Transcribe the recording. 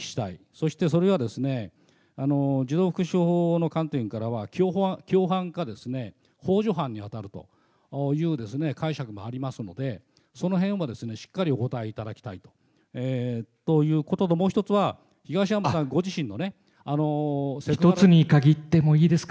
そしてそれが、児童福祉法の観点からは共犯かほう助犯に当たるという解釈もありますので、そのへんをしっかりお答えいただきたいということと、もう１つは、１つに限ってもいいですか。